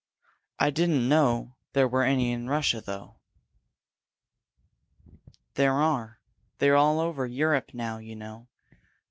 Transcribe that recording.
I didn't know there were any in Russia, though." "There are. They're all over Europe now, you know.